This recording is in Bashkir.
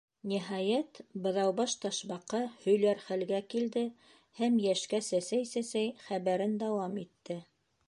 Ниһайәт, Быҙаубаш Ташбаҡа һөйләр хәлгә килде һәм йәшкә сәсәй-сәсәй, хәбәрен дауам итте: